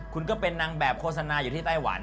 คุณก็เป็นนางแบบโฆษณาอยู่ที่ไต้หวัน